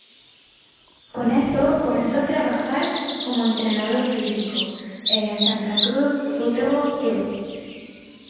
Con eso, comenzó a trabajar como Entrenador Físico, en el Santa Cruz Futebol Clube.